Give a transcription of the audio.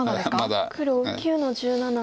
黒９の十七ツギ。